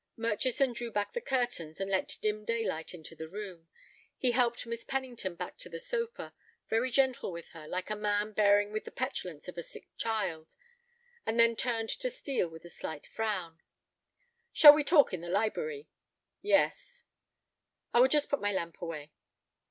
Murchison drew back the curtains and let dim daylight into the room. He helped Miss Pennington back to the sofa, very gentle with her, like a man bearing with the petulance of a sick child, and then turned to Steel with a slight frown. "Shall we talk in the library?" "Yes." "I will just put my lamp away."